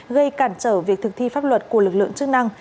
gây cản trở việc thực thi pháp luật của lực lượng chức năng